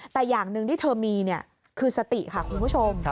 แต่อย่างหนึ่งที่เธอมีคือสติค่ะคุณผู้ชม